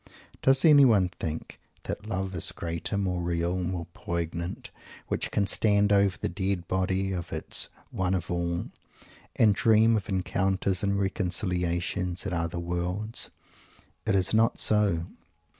Does anyone think that that love is greater, more real, more poignant, which can stand over the dead body of its One of all, and dream of encounters and reconciliations, in other worlds? It is not so!